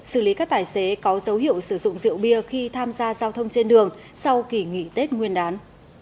xử lý các tài xế có dấu hiệu sử dụng rượu bia khi tham gia giao thông trên đường sau kỳ nghỉ tết nguyên đán